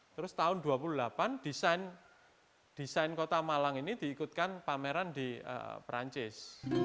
terus tahun dua puluh delapan desain kota malang ini diikutkan pameran di perancis